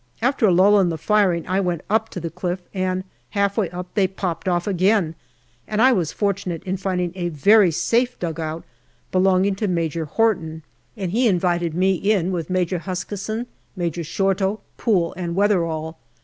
After a lull in the firing, I went up to the cliff, and half way up they popped off again, and I was fortu nate in finding a very safe dugout belonging to Major Horton, and he invited me in with Major Huskisson, Major Shorto, Poole, and Weatherall.